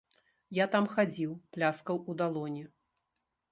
Я там хадзіў, пляскаў у далоні.